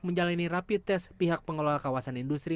menjalani rapi tes pihak pengelola kawasan industri